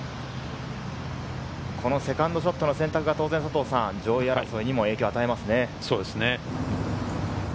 このセカンドショットの選択が当然、上位争いにも影響を与えますそうですね。